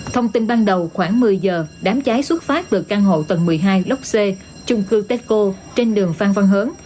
thông tin ban đầu khoảng một mươi giờ đám cháy xuất phát từ căn hộ tầng một mươi hai lốc c trung cư techco trên đường phan văn hớn